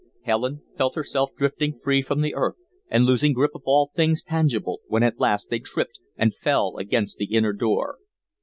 Helen felt herself drifting free from the earth and losing grip of all things tangible, when at last they tripped and fell against the inner door.